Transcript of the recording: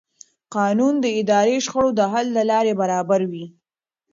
قانون د اداري شخړو د حل لاره برابروي.